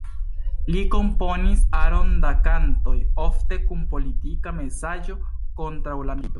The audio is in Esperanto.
Li komponis aron da kantoj, ofte kun politika mesaĝo kontraŭ la milito.